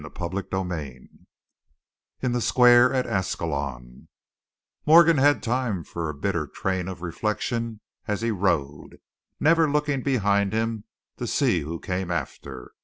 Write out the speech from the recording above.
CHAPTER XXVI IN THE SQUARE AT ASCALON Morgan had time for a bitter train of reflection as he rode, never looking behind him to see who came after.